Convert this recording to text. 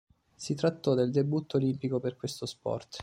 Si trattò del debutto olimpico per questo sport.